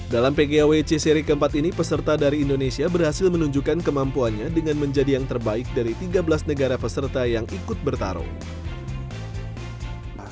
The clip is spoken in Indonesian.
dalam pgawc seri keempat ini peserta dari indonesia berhasil menunjukkan kemampuannya dengan menjadi yang terbaik dari tiga belas negara peserta yang ikut bertarung